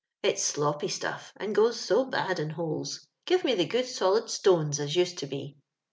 it's sloppy stuff, and goes so bad in holes. Give me the good solid stones as used to be.